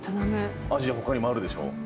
アジア他にもあるでしょ？